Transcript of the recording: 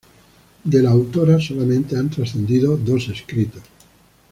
De la autora solamente han trascendido dos escritos.